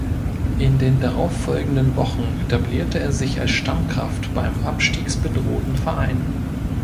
In den darauffolgenden Wochen etablierte er sich als Stammkraft beim abstiegsbedrohten Verein.